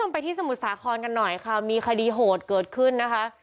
ไปที่สมุทรสาครกันหน่อยค่ะมีคดีโหดเกิดขึ้นนะคะ